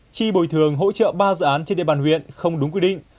chi bồi thường hỗ trợ ba dự án trên địa bàn huyện không đúng quy định